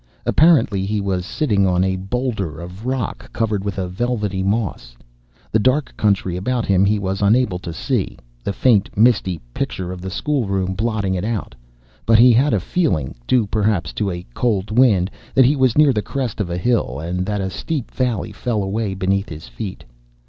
Apparently he was sitting on a boulder of rock covered with a velvety moss. The dark country about him he was unable to see, the faint, misty picture of the schoolroom blotting it out, but he had a feeling (due perhaps to a cold wind) that he was near the crest of a hill, and that a steep valley fell away beneath his feet.